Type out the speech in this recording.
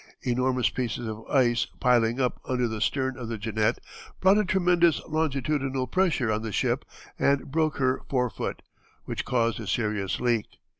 Enormous pieces of ice piling up under the stern of the Jeannette brought a tremendous longitudinal pressure on the ship and broke her fore foot, which caused a serious leak.